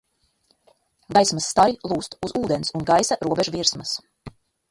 Gaismas stari lūzt uz ūdens un gaisa robežvirsmas.